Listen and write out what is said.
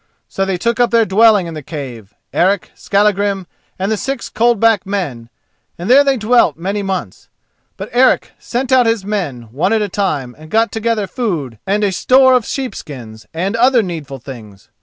So they took up their dwelling in the cave, Eric, Skallagrim, and the six Coldback men, and there they dwelt many months. But Eric sent out his men, one at a time, and got together food and a store of sheepskins, and other needful things.